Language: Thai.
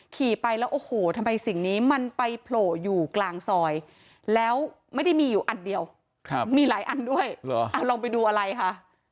ขี่ไปแล้วโอ้โหทำไมสิ่งนี้มันไปโผล่อยู่กลางซอยแล้วไม่ได้มีอยู่อันเดียวมีหลายอันด้วยเหรอลองไปดูอะไรค่ะ